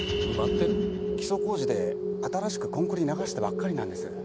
基礎工事で新しくコンクリ流したばっかりなんです。